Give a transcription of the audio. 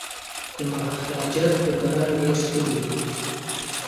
د مهاراجا ټوکران ډیر ښکلي دي.